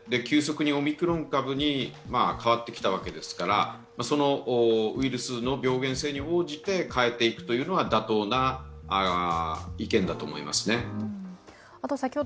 急速にオミクロン株に変わってきたわけですから、そのウイルスの病原性に応じて変えていくというのが妥当な意見だと思いますね。